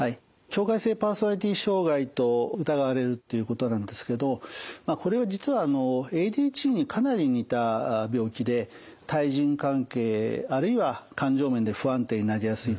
境界性パーソナリティー障害と疑われるっていうことなんですけどこれは実はＡＤＨＤにかなり似た病気で対人関係あるいは感情面で不安定になりやすいといった特徴がございます。